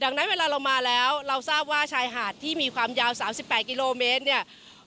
ดังนั้นเวลาเรามาแล้วเราทราบว่าชายหาดที่มีความยาว๓๘กิโลเมตรเนี่ย